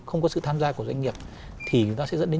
không có sự tham gia của doanh nghiệp thì chúng ta sẽ dẫn đến